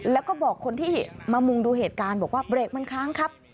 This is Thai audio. แล้วก็บอกคนที่มามุงดูเหตุการณ์บอกว่าเบรกมันค้างครับ